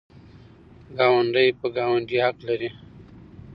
ګاونډی په ګاونډي حق لري.